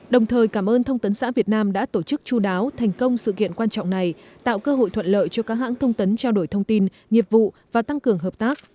đồng thời cảm ơn thông tấn xã việt nam đã tổ chức chú đáo thành công sự kiện quan trọng này tạo cơ hội thuận lợi cho các hãng thông tấn trao đổi thông tin nghiệp vụ và tăng cường hợp tác